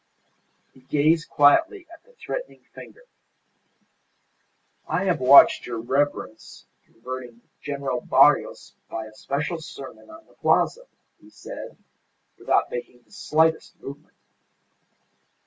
He gazed quietly at the threatening finger. "I have watched your reverence converting General Barrios by a special sermon on the Plaza," he said, without making the slightest movement.